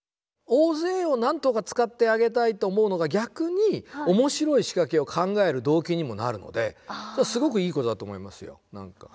大勢をなんとか使ってあげたいと思うのが逆に面白い仕掛けを考える動機にもなるのですごくいいことだと思いますよ。